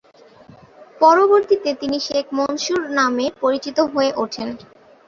পরবর্তীতে তিনি শেখ মনসুর নামে পরিচিত হয়ে উঠেন।